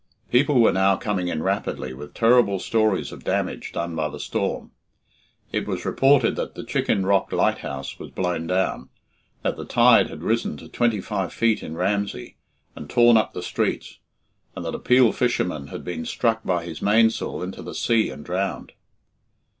People were now coming in rapidly with terrible stories of damage done by the storm. It was reported that the Chicken Rock Lighthouse was blown down, that the tide had risen to twenty five feet in Ramsey and torn up the streets, and that a Peel fisherman had been struck by his mainsail into the sea and drowned.